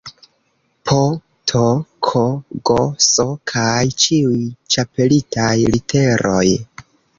P, T, K, G, S kaj ĉiuj ĉapelitaj literoj